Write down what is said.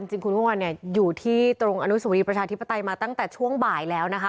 จริงคุณเมื่อวานเนี่ยอยู่ที่ตรงอนุสวรีประชาธิปไตยมาตั้งแต่ช่วงบ่ายแล้วนะคะ